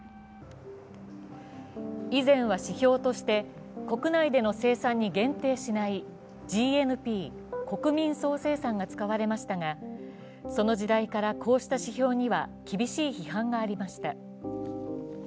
以前は指標として国内での生産に限定しないＧＮＰ＝国民総生産が使われましたが、その時代からこうした指標には厳しい批判がありました。